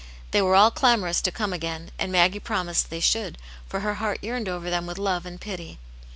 They were all clamorous to come again, and Maggie promised they should, for her heart yearned l^ver them with love and pity.